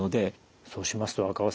そうしますと若尾さん